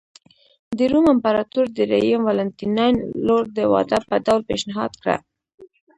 د روم امپراتور درېیم والنټیناین لور د واده په ډول پېشنهاد کړه